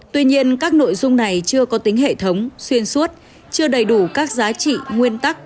tuy nhiên các nội dung này chưa có tính hệ thống xuyên suốt chưa đầy đủ các giá trị nguyên tắc